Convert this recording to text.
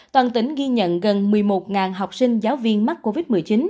toàn tỉnh ghi nhận gần một mươi một học sinh giáo viên mắc covid một mươi chín